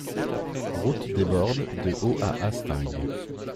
Route des Bordes de Haut à Hastingues